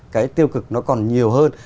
cái tiêu cực nó còn nhiều hơn